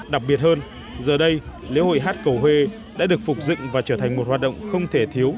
đặc biệt hơn giờ đây lễ hội hát cầu huê đã được phục dựng và trở thành một hoạt động không thể thiếu